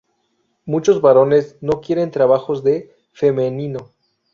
Muchos varones no quieren trabajos de femenino.